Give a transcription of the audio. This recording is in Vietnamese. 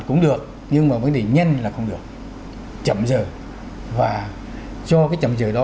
cũng được nhưng mà vấn đề nhanh là không được chậm giờ và do cái chậm giờ đó